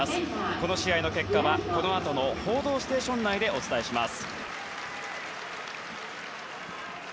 この試合の結果は、このあとの「報道ステーション」内でお伝えします。